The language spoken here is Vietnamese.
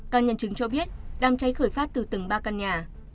các nhân chứng cho biết đám cháy khởi phát từ tầng ba căn nhà